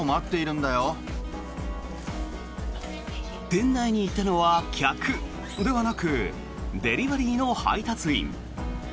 店内にいたのは客ではなくデリバリーの配達員。